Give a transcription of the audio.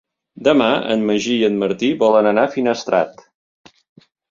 Demà en Magí i en Martí volen anar a Finestrat.